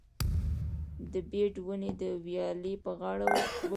د بید ونې د ویالې په غاړه وکرم؟